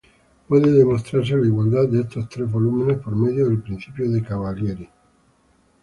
Puede demostrarse la igualdad de esos tres volúmenes por medio del principio de Cavalieri.